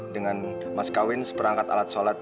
dengan mas kawin seperangkat alat sholat